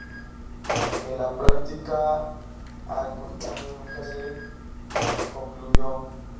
En la práctica el concilio nunca se concluyó.